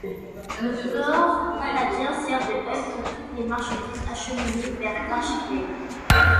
Le port canadien sert de hub pour toutes les marchandises acheminées vers l'archipel.